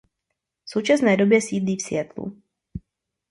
V současné době sídlí v Seattlu.